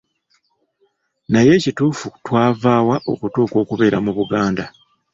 Naye ekituufu twavaawa okutuuka okubeera mu Buganda.